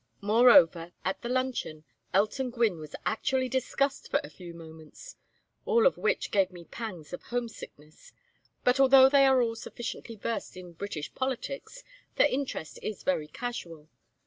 Moreover, at the luncheon, Elton Gwynne was actually discussed for a few moments. All of which gave me pangs of homesickness. But although they are all sufficiently versed in British politics, their interest is very casual.